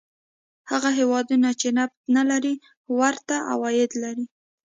هغه هېوادونه چې نفت نه لري ورته عواید لري.